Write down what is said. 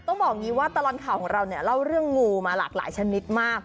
ต้องบอกว่าตลอดข่าวของเราเล่าเรื่องงูมาหลากหลายชนิดมาก